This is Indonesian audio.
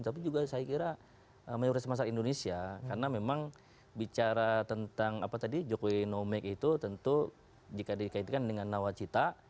tapi juga saya kira menyuruh semasalah indonesia karena memang bicara tentang apa tadi jokowi no make itu tentu jika dikaitkan dengan nawacita